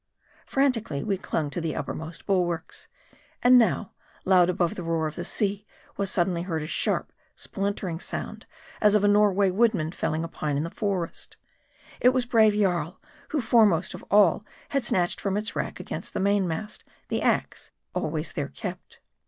Frantically we clung to the uppermost bulwarks. And now, loud above the roar of the sea, was suddenly heard a sharp, splintering sound, as of a Norway woodman felling a pine in the forest. It was brave Jarl, who foremost of all had snatched from its rack against the mainmast, the ax, always there kept.